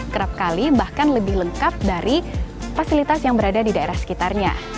kerap kali bahkan lebih lengkap dari fasilitas yang berada di daerah sekitarnya